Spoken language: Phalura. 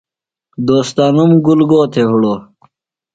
ݨ دوستانوم گُل گو تھےۡ ہِڑوۡ؟